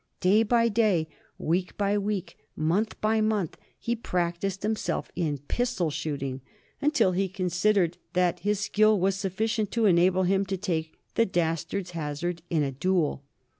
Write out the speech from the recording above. Day by day, week by week, month by month he practised himself in pistol shooting, until he considered that his skill was sufficient to enable him to take the dastard's hazard in a duel.